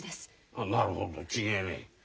あなるほど違えねえ。